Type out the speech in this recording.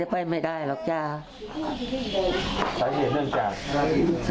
แต่พอมันมีประเด็นเรื่องโควิด๑๙ขึ้นมาแล้วก็ยังไม่มีผลชาญสูตรที่บ้าน